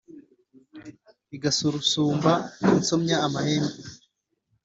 igasurusumba insomya amahembe